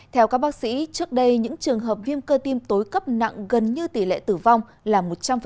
theo các bác sĩ trước đây những trường hợp viêm cơ tim tối cấp nặng gần như tỷ lệ tử vong là một trăm linh